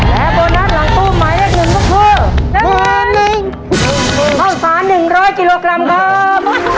และโบนัสหลังตู้หมายเลขหนึ่งก็คือน้องฟ้าหนึ่งร้อยกิโลกรัมครับ